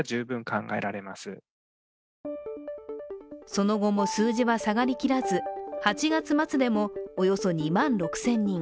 その後も数字は下がりきらず、８月末でもおよそ２万６０００人。